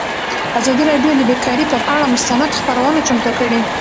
ازادي راډیو د بیکاري پر اړه مستند خپرونه چمتو کړې.